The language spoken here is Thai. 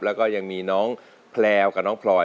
แล้วก็ยังมีน้องแพลวกับน้องพลอย